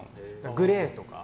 グレーとか。